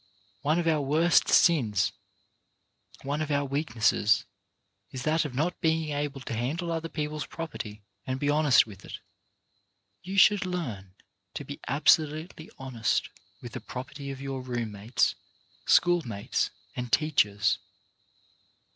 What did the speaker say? One of our worst sins, one of our weaknesses, is that of not being able to handle other people's property and be honest with it. i 4 6 CHARACTER BUILDING You should learn to be absolutely honest with the property of your room mates, school mates and teachers.